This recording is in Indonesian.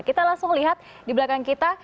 kita langsung lihat di belakang kita